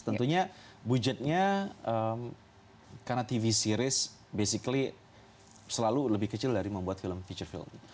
tentunya budgetnya karena tv series basically selalu lebih kecil dari membuat film feature film